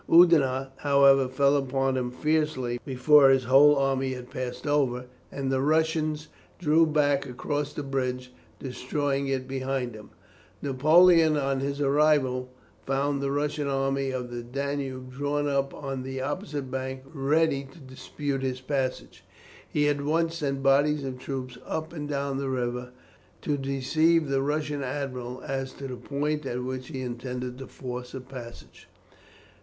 Oudinot, however, fell upon him fiercely before his whole army had passed over, and the Russians drew back across the bridge, destroying it behind them. Napoleon on his arrival found the Russian army of the Danube drawn up on the opposite bank ready to dispute his passage. He at once sent bodies of troops up and down the river to deceive the Russian admiral as to the point at which he intended to force a passage.